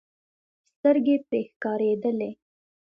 سترګې پرې ښکارېدې.